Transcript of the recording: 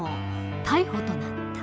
逮捕となった。